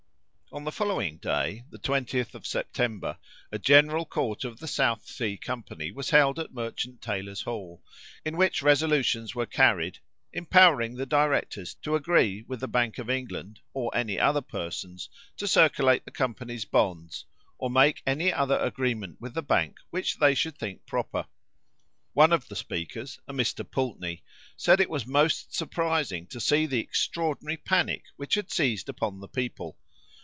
On the following day, the 20th of September, a general court of the South Sea company was held at Merchant Tailors' Hall, in which resolutions were carried, empowering the directors to agree with the Bank of England, or any other persons, to circulate the company's bonds, or make any other agreement with the Bank which they should think proper. One of the speakers, a Mr. Pulteney, said it was most surprising to see the extraordinary panic which had seized upon the people.